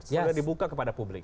segera dibuka kepada publik